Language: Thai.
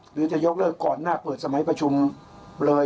หรือจะยกเลิกก่อนหน้าเปิดสมัยประชุมเลย